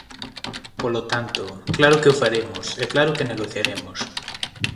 Polo tanto, claro que o faremos e claro que negociaremos.